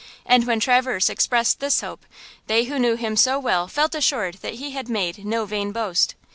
And when Traverse expressed this hope, they who knew him so well felt assured that he had made no vain boast.